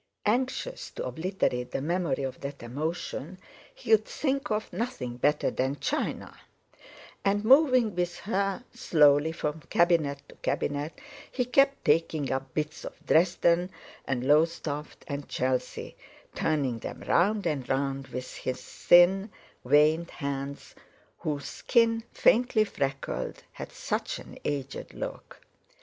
Anxious to obliterate the memory of that emotion, he could think of nothing better than china; and moving with her slowly from cabinet to cabinet, he kept taking up bits of Dresden and Lowestoft and Chelsea, turning them round and round with his thin, veined hands, whose skin, faintly freckled, had such an aged look.